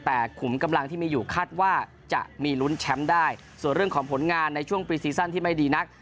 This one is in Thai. แต่ขุมกำลังที่มีอยู่คาดว่าจะมีลุ้นแชมป์ได้ส่วนเรื่องของผลงานในช่วงปีซีซั่นที่ไม่ดีนัก